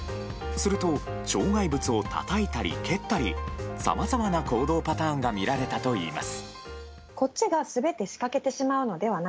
すると、障害物をたたいたり蹴ったりさまざまな行動パターンが見られたといいます。